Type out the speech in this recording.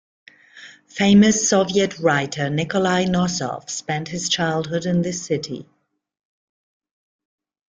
Famous Soviet writer Nikolay Nosov spent his childhood in this city.